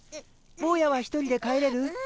ぼうやは１人で帰れる？